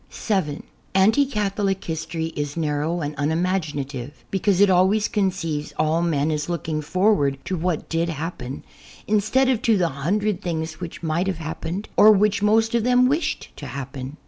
(7) Anti Catholic history is narrow and unimagina tive, because it always conceives all men as looking for ward to what did happen, instead of to the hundred things which might have happened, or which most of them wished to happen.